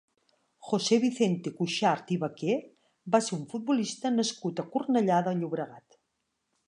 José Vicente Cuxart i Vaquer va ser un futbolista nascut a Cornellà de Llobregat.